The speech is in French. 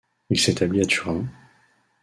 Il s'établit à Turin.